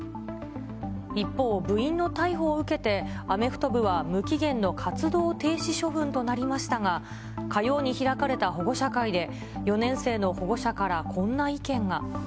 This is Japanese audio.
一方、部員の逮捕を受けて、アメフト部は無期限の活動停止処分となりましたが、火曜に開かれた保護者会で、４年生の保護者からこんな意見が。